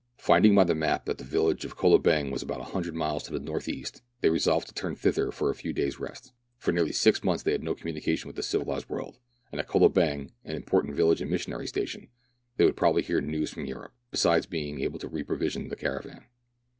Finding by the map that the village of Kolobeng was about 100 miles to the north east, they resolved to turn thither for a few days' rest. For nearly six months they had had no communication with the K 130 meridiana; the adventures of civilized world, and at Kolobeng, an important village and missionary station, they would probably hear news from Europe, besides being able to re provision the caravan.